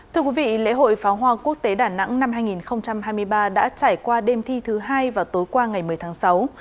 thưa quý vị lễ hội pháo hoa quốc tế đà nẵng năm hai nghìn hai mươi ba đã trải qua đêm thi thứ hai vào tối qua ngày một mươi tháng sáu